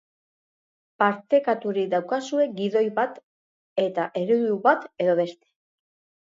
Partekaturik daukazue gidoi bat eta eredu bat edo beste.